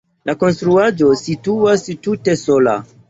La konstruaĵo situas tute sola.